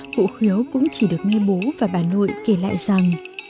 cụ khứa cũng chỉ được nghe bố và bà nội kể lại rằng